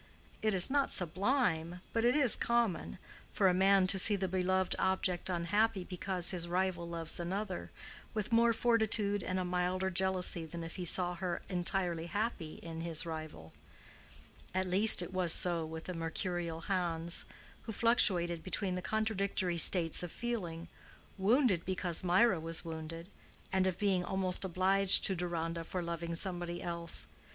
It is not sublime, but it is common, for a man to see the beloved object unhappy because his rival loves another, with more fortitude and a milder jealousy than if he saw her entirely happy in his rival. At least it was so with the mercurial Hans, who fluctuated between the contradictory states of feeling, wounded because Mirah was wounded, and of being almost obliged to Deronda for loving somebody else.